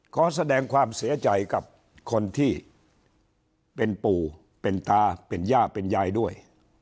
ขอแสดงความเสียใจกับคนที่เป็นปู่เป็นตาเป็นย่าเป็นยายด้วย